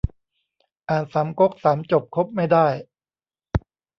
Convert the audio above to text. อ่านสามก๊กสามจบคบไม่ได้